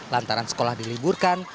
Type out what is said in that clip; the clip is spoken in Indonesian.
lantaran sekolah diliburkan